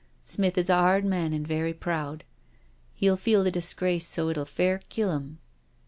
Smith is a hard man and very proud. He'll feel the disgrace so it'll fair kill 'im.